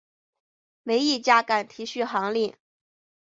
没一家敢提续航力